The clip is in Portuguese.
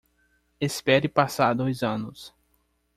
Espere passar dois anos